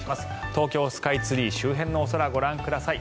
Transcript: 東京スカイツリー周辺のお空ご覧ください。